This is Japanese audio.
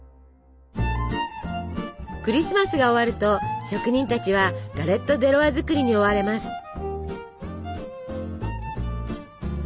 クリスマスが終わると職人たちはガレット・デ・ロワ作りに追われます。